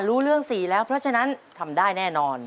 รู้เรื่อง๔แล้วเพราะฉะนั้นทำได้แน่นอน